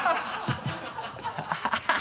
ハハハ